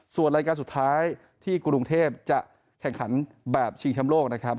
ส่วนรายการสุดท้ายที่กรุงเทพจะแข่งขันแบบชิงชำโลกนะครับ